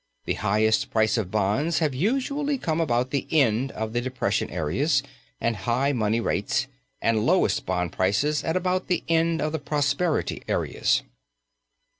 The highest prices of bonds have usually come about the end of the depression areas and high money rates, and lowest bond prices at about the end of the prosperity areas.